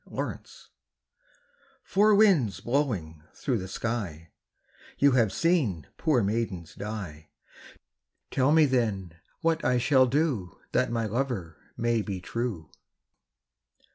Four Winds "Four winds blowing through the sky, You have seen poor maidens die, Tell me then what I shall do That my lover may be true."